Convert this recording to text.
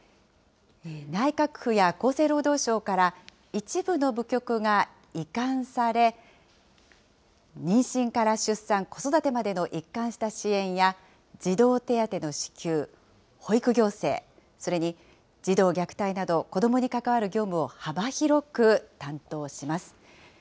内閣府や厚生労働省から一部の部局が移管され、妊娠から出産、子育てまでの一貫した支援や、児童手当の支給、保育行政、それに児童虐待など子どもに関わる業務を幅広く担当します。